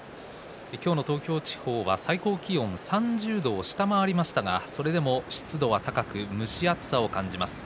今日の東京地方は最高気温３０度を下回りましたがそれでも湿度は高く蒸し暑さを感じます。